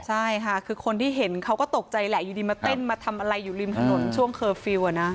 ใช่ค่ะคือคนที่เห็นเขาก็ตกใจแหละอยู่ดีมาเต้นมาทำอะไรอยู่ริมถนนช่วงเคอร์ฟิลล์